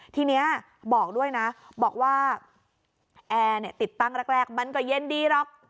ทีนี้บอกด้วยนะบอกว่าแอร์ติดตั้งแรกมันก็เย็นดีหรอก